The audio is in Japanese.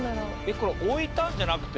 これ置いたんじゃなくて？